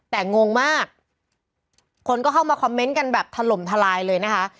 แต่งงมากคนก็เข้ามาคอมเมนต์กันแบบถล่มทลายเลยนะคะ